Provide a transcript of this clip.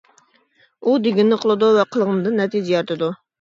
ئۇ دېگىنىنى قىلىدۇ ۋە قىلغىنىدىن نەتىجە يارىتىدۇ.